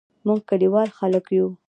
موږ کلیوال خلګ یو